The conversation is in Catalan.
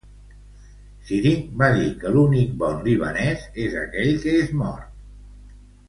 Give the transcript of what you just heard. Syring va dir que l'únic bon libanès és aquell que és mort.